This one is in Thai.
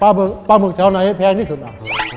หมึกปลาหมึกแถวไหนแพงที่สุดอ่ะ